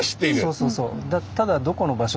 そうそうそう。